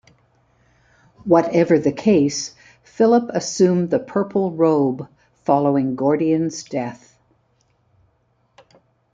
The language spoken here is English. Whatever the case, Philip assumed the purple robe following Gordian's death.